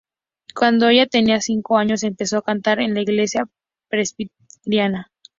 Cuando ella tenía cinco años, empezó a cantar en la Iglesia Presbiteriana.